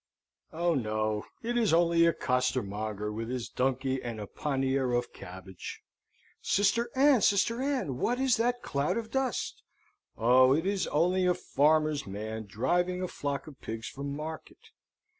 Oh no! it is only a costermonger with his donkey and a pannier of cabbage! Sister Ann, Sister Ann, what is that cloud of dust? Oh, it is only a farmer's man driving a flock of pigs from market.